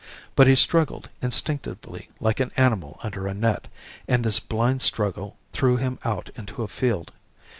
But he struggled instinctively like an animal under a net, and this blind struggle threw him out into a field.